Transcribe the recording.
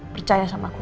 percaya sama aku